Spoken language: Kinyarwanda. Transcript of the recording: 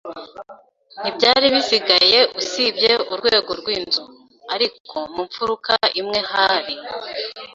Ntibyari bisigaye usibye urwego rwinzu, ariko mu mfuruka imwe hari